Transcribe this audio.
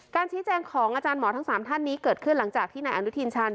ชี้แจงของอาจารย์หมอทั้ง๓ท่านนี้เกิดขึ้นหลังจากที่นายอนุทินชาญ